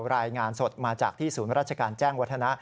รายงานสดมาจากที่ศูนย์ราชการแจ้งวัฒนะ